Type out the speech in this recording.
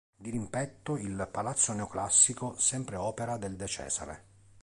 Dirimpetto, il palazzo neoclassico sempre opera del De Cesare.